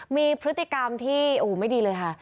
มีพฤติกรรมที่ไม่ดีเลยค่ะ